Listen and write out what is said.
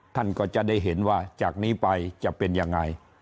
ท่านก็จะได้เห็นว่าจากนี้ไปจะเป็นยังไง